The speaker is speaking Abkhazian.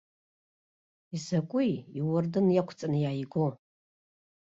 Изакәи, иуардын иақәҵаны иааиго?